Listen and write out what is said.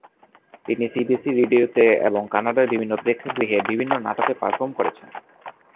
তিনি সিবিসি রেডিওতে এবং কানাডার বিভিন্ন প্রেক্ষাগৃহে বিভিন্ন নাটকে পারফর্ম করেছেন।